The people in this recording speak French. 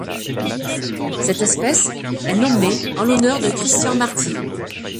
Cette espèce est nommée en l'honneur de Christian Marty.